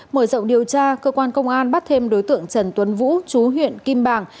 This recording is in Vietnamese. mở rộng điều tra cơ quan công an bắt thêm đối tượng trần tuấn vũ chú huyện kim bàng